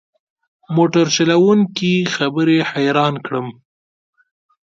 موټر چلوونکي خبرې حیران کړم.